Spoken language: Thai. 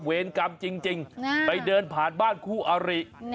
เวรกรรมจริงไปเดินผ่านบ้านคู่อาริ